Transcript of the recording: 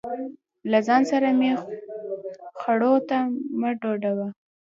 له ځان سره مې خړو ته مه ګډوه.